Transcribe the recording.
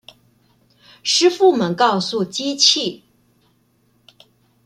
師傅們告訴機器